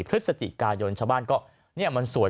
พฤศจิกายนชาวบ้านก็เนี่ยมันสวย